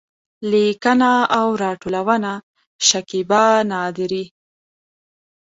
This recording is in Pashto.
لیکنه او راټولونه: شکېبا نادري